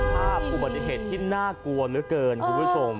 อุบัติเหตุที่น่ากลัวเหลือเกินคุณผู้ชม